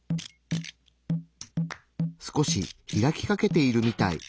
少し開きかけているみたい。